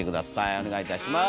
お願いいたします。